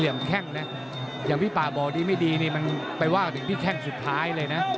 อย่างพี่ป่าบอลดี้ไม่ดีนี่มันไปว่ากับพี่แข้งสุดท้ายเลยนะ